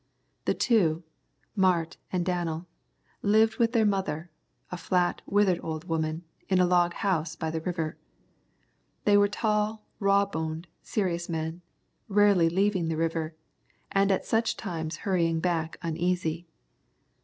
The two, Mart and Danel, lived with the mother, a flat, withered old woman, in a log house by the river. They were tall, raw boned, serious men, rarely leaving the river, and at such times hurrying back uneasy.